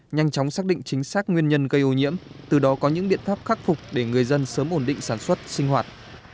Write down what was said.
nhanh chóng xác định chính xác nguyên nhân gây ô nhiễm từ đó có những biện pháp khắc phục để người dân sớm ổn định sản xuất sinh hoạt